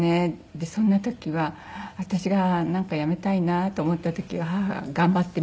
でそんな時は私がやめたいなと思った時は母が「頑張ってみたら？」。